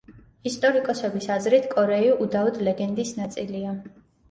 ისტორიკოსების აზრით კორეი უდაოდ ლეგენდის ნაწილია.